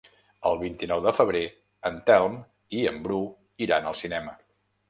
El vint-i-nou de febrer en Telm i en Bru iran al cinema.